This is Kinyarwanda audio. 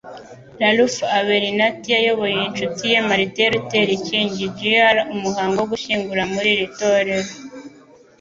Ralph Abernathy yayoboye inshuti ye Martin Luther King Jr. umuhango wo gushyingura muri iri torero